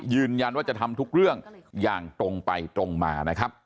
ยืนยันว่าจะทำทุกเรื่องอย่างตรงไปตรงมานะครับ